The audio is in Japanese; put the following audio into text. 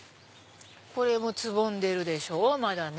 これもつぼんでるでしょまだね。